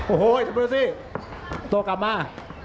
โอ้โหเทมโบราซี่โต๊ะกลับมา